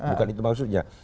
bukan itu maksudnya